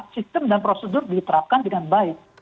sistem dan prosedur diterapkan dengan baik